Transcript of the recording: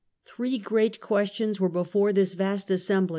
Three great questions were before this vast assemblage.